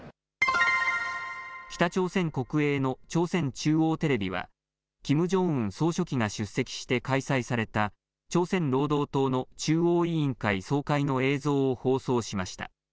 北朝鮮国営の朝鮮中央テレビは、キム・ジョンウン総書記が出席して開催された朝鮮労働党の中央委員会総会の映像を放送しました。